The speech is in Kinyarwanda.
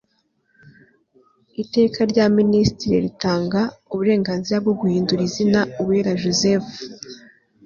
Iteka rya Minisitiri ritanga uburenganzira bwo guhindura izina UWERA Joseph